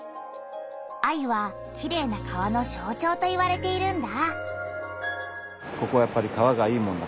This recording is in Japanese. アユはきれいな川のしょうちょうと言われているんだ。